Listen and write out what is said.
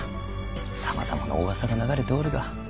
さまざまなお噂が流れておるが。